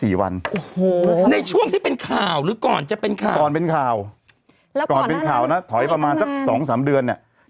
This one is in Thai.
โอ้โฮเหรอในช่วงที่เป็นข่าวหรือก่อนจะเป็นข่าวแล้วก่อนเป็นข่าวนะถอยประมาณสัก๒๓เดือนเนี่ย